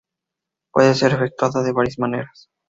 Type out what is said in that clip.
Puede ser efectuada de varias maneras.